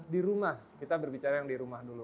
di rumah kita berbicara yang di rumah dulu